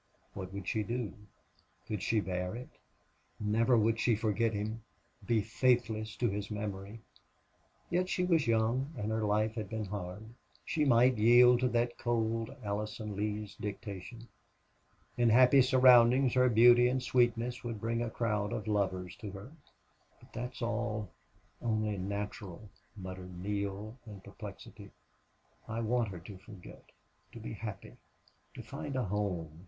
What would she do? Could she bear, it? Never would she forget him be faithless to his memory! Yet she was young and her life had been hard. She might yield to that cold Allison Lee's dictation. In happy surroundings her beauty and sweetness would bring a crowd of lovers to her. "But that's all only natural," muttered Neale, in perplexity. "I want her to forget to be happy to find a home....